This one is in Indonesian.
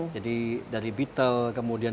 jadi dari beetle kemudian